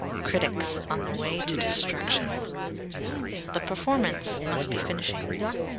Critics, on their way to destruction! The performance must be finishing.